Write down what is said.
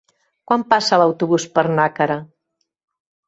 Quan passa l'autobús per Nàquera?